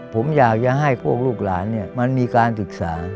ผมอยากจะให้พวกลูกหลานมันมีการศึกษา